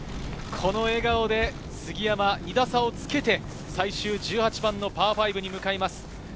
この笑顔で杉山、２打差をつけて、最終１８番のパー５に向かいます。